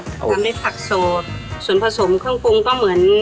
กล้ามเป็นภพโสดส่วนผสมเครื่องพรุ้งก็เหมือน